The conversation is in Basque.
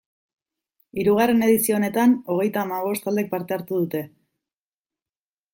Hirugarren edizio honetan, hogeita hamabost taldek parte hartu dute.